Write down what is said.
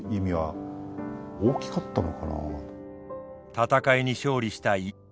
戦いに勝利した家康。